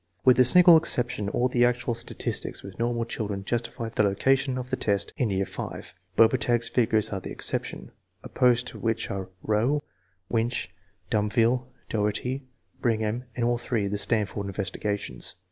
With a single exception, all the actual statistics with normal children justify the location of the test in year V. Bobertag's figures are the exception, opposed to which are Rowe, Winch, Dumville, Dougherty, Brigham, and all three of the Stan ford investigations.